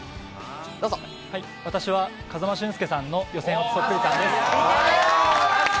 私は風間俊介さんの予選落ちそっくりさんです。